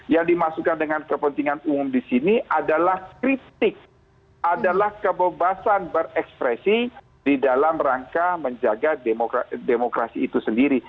yang dimasukkan dengan kepentingan umum di sini adalah kritik adalah kebebasan berekspresi di dalam rangka menjaga demokrasi itu sendiri